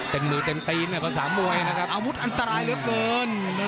เต็มมือเต็มตีนกับสามมวยนะครับอาวุธอันตรายเหลือเบิร์น